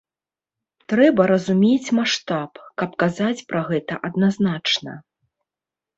Трэба разумець маштаб, каб казаць пра гэта адназначна.